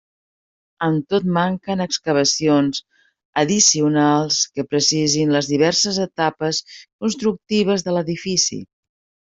Amb tot, manquen excavacions addicionals que precisin les diverses etapes constructives de l'edifici.